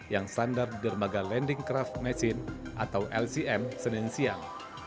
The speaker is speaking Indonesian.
yang standar dermaga landing craft machine atau lcm senensial